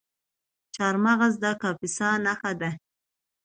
چهارمغز د کاپیسا نښه ده.